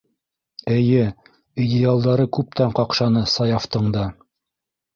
Эйе, идеалдары күптән ҡаҡшаны Саяфтың да.